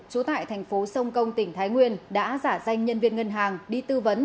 trú tại thành phố sông công tỉnh thái nguyên đã giả danh nhân viên ngân hàng đi tư vấn